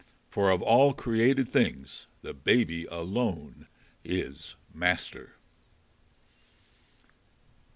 For of all created things the Baby alone is master.